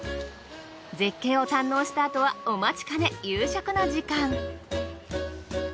絶景を堪能したあとはお待ちかね夕食の時間。